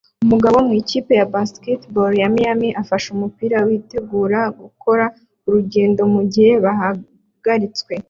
Umugabo mu ikipe ya basketball ya Miami afashe umupira witegura gukora urugendo mugihe bahagaritswe